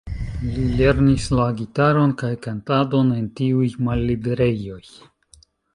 Li lernis la gitaron kaj kantadon en tiuj malliberejoj.